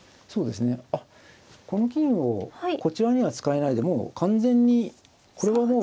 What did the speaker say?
あっこの金をこちらには使えないんでもう完全にこれはもう。